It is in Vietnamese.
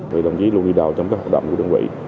vị đồng chí luôn đi đầu trong các hợp động của đơn vị